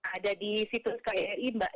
ada di situs kri mbak